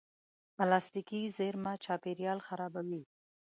پلاستيکي زېرمه چاپېریال خرابوي.